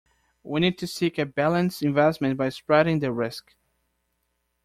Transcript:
We need to seek a balanced investment by spreading the risk.